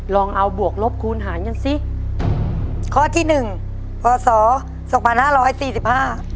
ลองเอาบวกลบคูณหารกันสิข้อที่หนึ่งพศสองพันห้าร้อยสี่สิบห้า